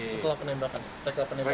setelah penembakan reka penembakan